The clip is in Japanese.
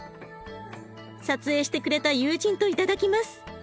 撮影してくれた友人と頂きます。